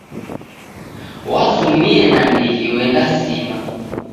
W'azumie nandighi w'endasima.